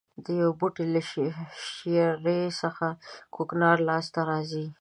د یوه بوټي له شېرې څخه کوکنار لاس ته راځي.